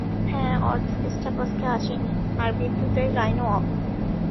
হ্যাঁ, অর্ধেক স্টাফ আজকে আসেনি, আর বিদ্যুতের লাইনও অফ!